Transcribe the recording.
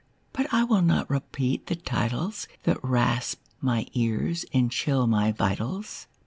But I will not repeat the titles That rasp my ears and chill my vitals.